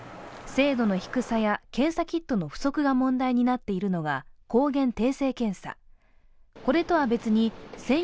精度の低さや検査キットの不足が問題になっているのは抗原定量検査。